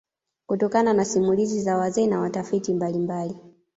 Kutokana na simulizi za wazee na watafiti mbalimbali